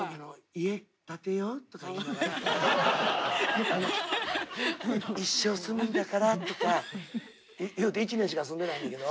「家建てよう」とか言いながら「一生住むんだから」とか言うて１年しか住んでないんだけど。